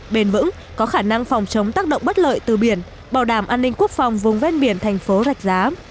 bền vững có khả năng phòng chống tác động bất lợi từ biển bảo đảm an ninh quốc phòng vùng ven biển thành phố rạch giá